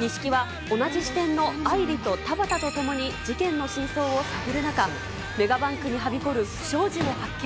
西木は同じ支店の愛理と田端とともに、真相を探る中、メガバンクにはびこる不祥事を発見。